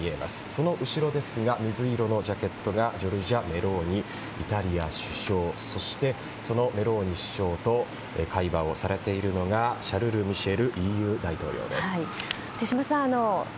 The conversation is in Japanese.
その後ろですが水色のジャケットがジョルジャ・メローニイタリアの首相そしてメローニ首相と会話をされているのがシャルル・ミシェル手嶋さん